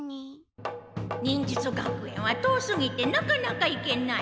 忍術学園は遠すぎてなかなか行けない。